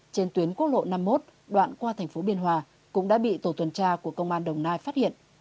trên tuyến quốc lộ năm mươi một đoạn qua thành phố biên hòa cũng đã bị tổ tuần tra của công an đồng nai phát hiện